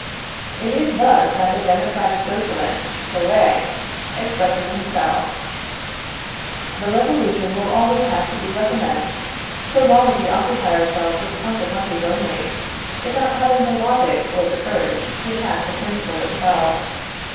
It is thus that the democratic Socialist, Thoré, expresses himself: "The revolution will always have to be recommenced, so long as we occupy ourselves with consequences only, without having the logic or the courage to attack the principle itself.